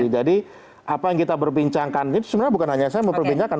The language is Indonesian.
jadi apa yang kita berbincangkan itu sebenarnya bukan hanya saya yang mau berbincangkan